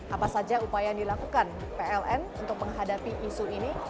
apa saja upaya yang dilakukan pln untuk menghadapi isu ini